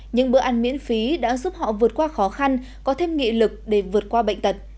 những bữa ăn miễn phí đã giúp họ vượt qua khó khăn có thêm nghị lực để vượt qua bệnh tật